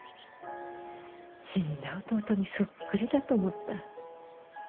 死んだ弟にそっくりだと思った。